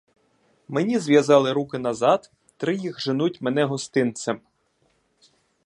Мені зв'язали руки назад, три їх женуть мене гостинцем.